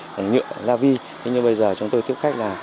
bằng nhựa la vi thế nhưng bây giờ chúng tôi tiếp khách là